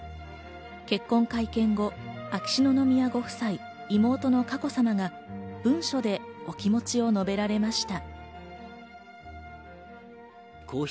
結婚会見後、秋篠宮ご夫妻、妹の佳子さまが文書でお気持ちを述べられました。